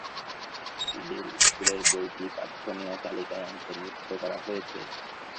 চিলির স্কুলের এই বইটি "পাঠ্যনীয়" তালিকাভুক্ত করা হয়েছে।